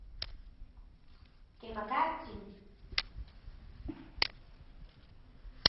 Kemakatsin.